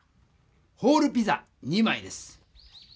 ホールピザ２枚です。